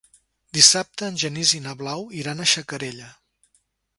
Dissabte en Genís i na Blau iran a Xacarella.